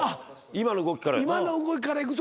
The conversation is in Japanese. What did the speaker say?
今の動きからいくと。